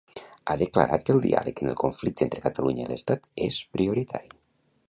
Ha declarat que el diàleg en el conflicte entre Catalunya i l'Estat és prioritari.